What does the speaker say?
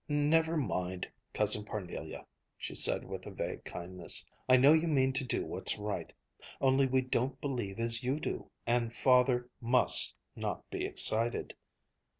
"Never mind, Cousin Parnelia," she said with a vague kindness, "I know you mean to do what's right only we don't believe as you do, and Father must not be excited!"